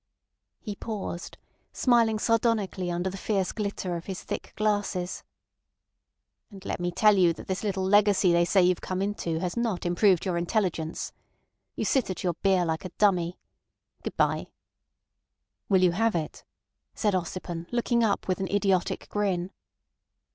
He paused, smiling sardonically under the fierce glitter of his thick glasses. "And let me tell you that this little legacy they say you've come into has not improved your intelligence. You sit at your beer like a dummy. Good bye." "Will you have it?" said Ossipon, looking up with an idiotic grin.